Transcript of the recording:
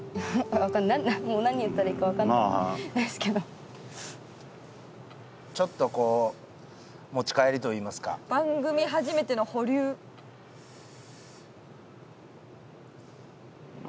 もう何言ったらいいか分かんないんですけどちょっとこう持ち帰りといいますかまあ